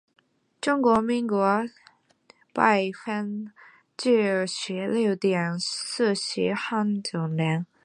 中华民国百分之九十六点四是汉族人